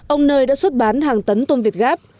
ông nơi đã xuất bán hàng tấn tôm việt gáp